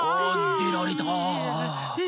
でられた！